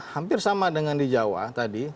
hampir sama dengan di jawa tadi